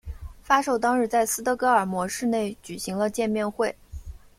发售当日在斯德哥尔摩市内举行了见面会。